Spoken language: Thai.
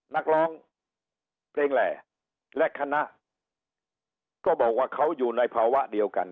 นักร้องเพลงแหล่และคณะก็บอกว่าเขาอยู่ในภาวะเดียวกัน